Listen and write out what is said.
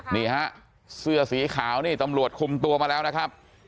นี่ฮะเสื้อสีขาวนี่ตำรวจคุมตัวมาแล้วนะครับ